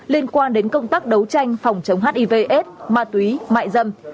liên quan đến công tác đấu tranh phòng chống hiv s ma túy mại dâm